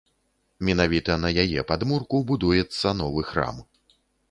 Менавіта на яе падмурку будуецца новы храм.